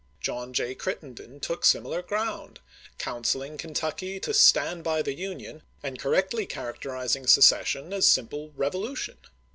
John J. Crittenden took similar ground, counseling Ken tucky to stand by the Union, and correctly characterizing secession as simple revolution.